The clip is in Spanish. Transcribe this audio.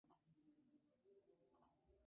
Pemberton Press.